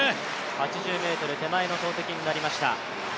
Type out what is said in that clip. ８０ｍ手前の投てきになりました。